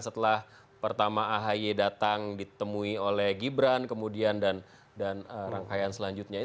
setelah pertama ahi datang ditemui oleh gibran kemudian dan rangkaian selanjutnya